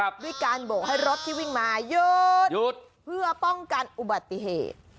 ด้วยการโบกให้รถที่วิ่งมาหยุดหยุดเพื่อป้องกันอุบัติเหตุ